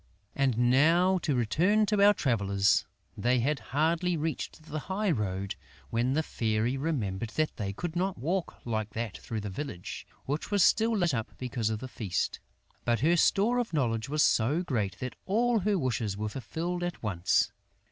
And now to return to our travellers. They had hardly reached the high road, when the Fairy remembered that they could not walk like that through the village, which was still lit up because of the feast. But her store of knowledge was so great that all her wishes were fulfilled at once.